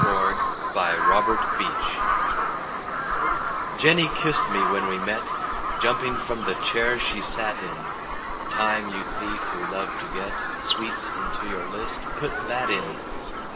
Jenny kiss'd Me JENNY kiss'd me when we met, Jumping from the chair she sat in; Time, you thief, who love to get Sweets into your list, put that in!